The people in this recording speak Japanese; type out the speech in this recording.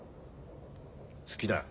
好きだよ。